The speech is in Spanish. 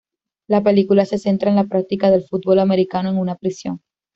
La película se centra en la práctica del fútbol americano en una prisión.